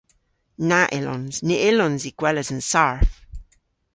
Na yllons. Ny yllons i gweles an sarf.